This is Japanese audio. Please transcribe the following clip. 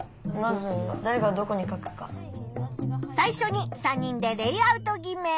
最初に３人でレイアウト決め。